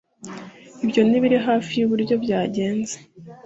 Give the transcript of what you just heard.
Ibyo ntibiri hafi yuburyo byagenze